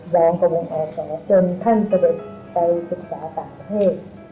วังกดวงอสอเงินท่านสะเบนไปศึกษาต่าเทพ